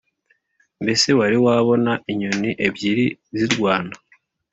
mbese wari wabona inyoni ebyiri zirwana